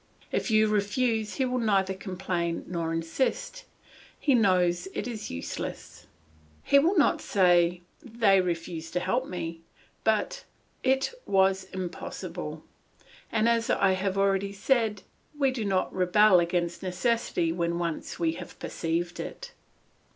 If you refuse he will neither complain nor insist; he knows it is useless; he will not say, "They refused to help me," but "It was impossible," and as I have already said, we do not rebel against necessity when once we have perceived it.